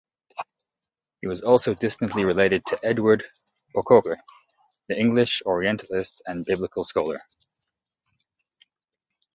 He was also distantly related to Edward Pococke, the English Orientalist and biblical scholar.